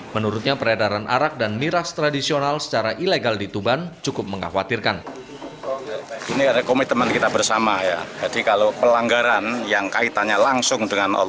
menurutnya peredaran arak dan miras tradisional secara ilegal di tuban cukup mengkhawatirkan